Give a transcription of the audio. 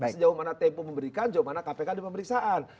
sejauh mana tempo memberikan sejauh mana kpk diperiksaan